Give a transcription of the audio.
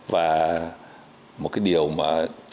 và một cái điều mà